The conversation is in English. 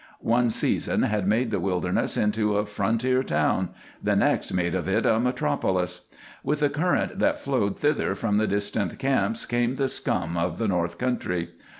One season had made the wilderness into a frontier town, the next made of it a metropolis. With the current that flowed thither from the distant camps came the scum of the north country.